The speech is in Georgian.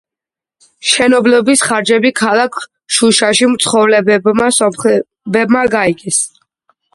მშენებლობის ხარჯები ქალაქ შუშაში მცხოვრებმა სომხებმა გაიღეს.